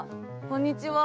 こんにちは。